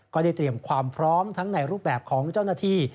ก็ได้เตรียมความพร้อมทั้งในรูปแบบของเจ้าหน้าที่